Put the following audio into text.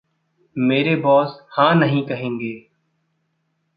मेरे बॉस "हाँ" नहीं कहेंगे।